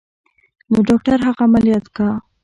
نو ډاکتر هغه عمليات کا.